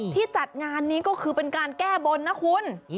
ที่จัดงานนี้ก็คือเป็นการแก้บนนะคุณ